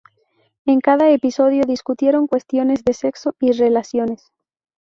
En cada episodio discutieron cuestiones de sexo y relaciones.